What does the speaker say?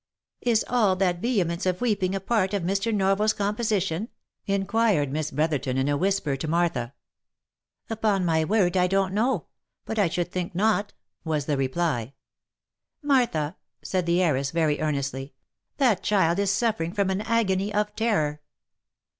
" Is all that vehemence of weeping a part of Mr. Norvars com position V inquired Miss Brotherton in a whisper to Martha. " Upon my word I don't know : but I should think not," was the reply. " Martha!" said the heiress, very earnestly, " that child is suffering from an agony of terror."